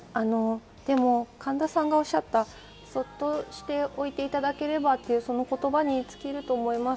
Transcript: でも、神田さんがおっしゃった、そっとしておいていただければとその言葉に尽きると思います。